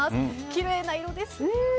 きれいな色ですね。